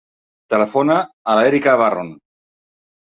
Telefona a l'Erica Barron.